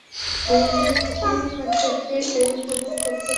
ধীরে-ধীরে চেখে এর উপভোগ করতে পারো।